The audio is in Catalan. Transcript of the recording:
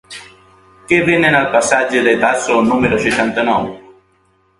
Què venen al passatge de Tasso número seixanta-nou?